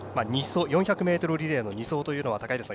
４００ｍリレーの２走というのは高平さん